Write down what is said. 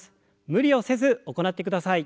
無理をせず行ってください。